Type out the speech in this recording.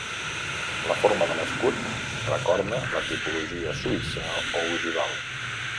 La forma de l'escut recorda la tipologia suïssa o ogival.